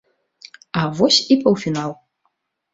А вось і паўфінал.